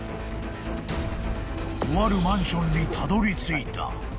［とあるマンションにたどり着いた］